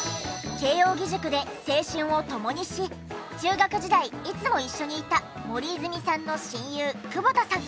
慶應義塾で青春を共にし中学時代いつも一緒にいた森泉さんの親友久保田さん。